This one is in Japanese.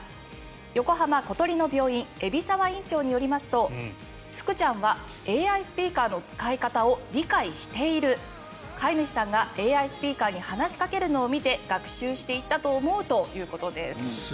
横浜小鳥の病院海老沢院長によりますと福ちゃんはＡＩスピーカーの使い方を理解している飼い主さんがＡＩスピーカーに話しかけるのを見て学習していったと思うということです。